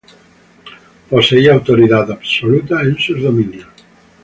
Poseía autoridad absoluta en sus dominios.